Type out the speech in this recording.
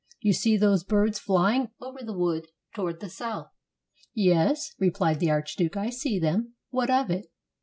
"You see those birds flying over the wood toward the south?" "Yes," replied the archduke, "I see them. What of it?"